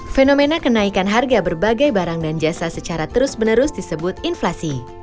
fenomena kenaikan harga berbagai barang dan jasa secara terus menerus disebut inflasi